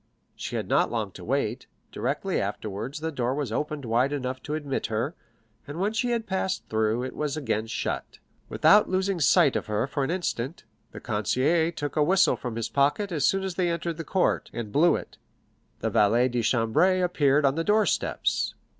She had not long to wait; directly afterwards the door was opened wide enough to admit her, and when she had passed through, it was again shut. Without losing sight of her for an instant, the concierge took a whistle from his pocket as soon as they entered the court, and blew it. The valet de chambre appeared on the door steps.